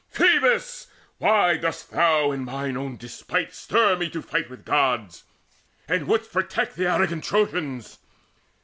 "Phoebus, why dost thou in mine own despite Stir me to fight with Gods, and wouldst protect The arrogant Trojans?